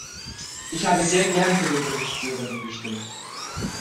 Ich habe sehr gern für den Bericht Sörensen gestimmt.